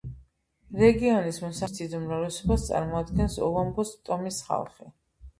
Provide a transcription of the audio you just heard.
რეგიონის მოსახლეობის დიდ უმრავლესობას წარმოადგენს ოვამბოს ტომის ხალხი.